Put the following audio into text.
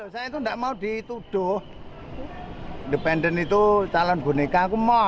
saya itu tidak mau dituduh independen itu calon boneka aku mau